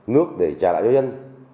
nước để trả lại cho dân